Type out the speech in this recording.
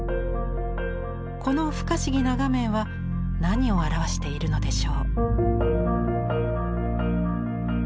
この不可思議な画面は何を表しているのでしょう。